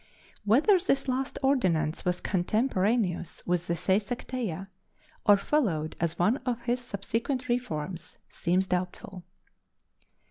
Whether this last ordinance was contemporaneous with the Seisachtheia, or followed as one of his subsequent reforms, seems doubtful.